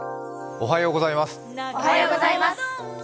おはようございます。